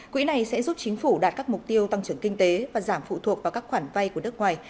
quỹ này sẽ giúp chính phủ đạt các mục tiêu tăng trưởng kinh tế và giảm phụ thuộc vào các khoản vay của nước ngoài